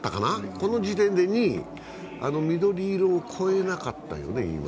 この時点で２位、あの緑色を超えなかったよね、今。